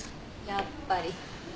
やっぱり。